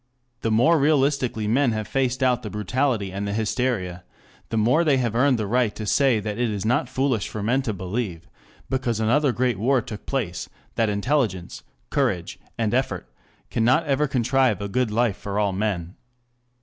The more realistically men have faced out the brutality and the hysteria, the more they have earned the right to say that it is not foolish for men to believe, because another great war took place, that intelligence, courage and effort cannot ever contrive a good life for all men.